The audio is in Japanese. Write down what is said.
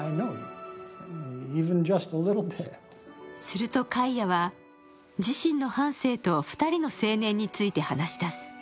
するとカイアは自身の半生と、２人の青年について話し出す。